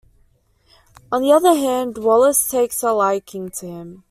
On the other hand, Wallace takes a liking to him.